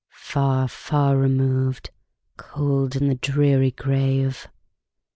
Far, far removed, cold in the dreary grave!